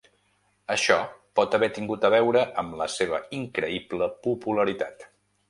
Això pot haver tingut a veure amb la seva increïble popularitat.